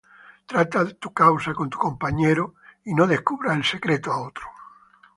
Trata tu causa con tu compañero Y no descubras el secreto á otro.